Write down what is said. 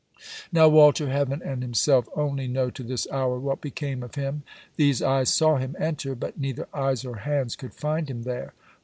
Now, Walter, heaven and himself only know to this hour what became of him. These eyes saw him enter, but neither eyes or hands could find him there.